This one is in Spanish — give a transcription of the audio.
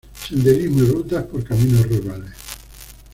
Senderismo y rutas por caminos rurales.